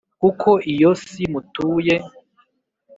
kuko iyo si mutuye